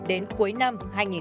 đến cuối năm hai nghìn hai mươi bốn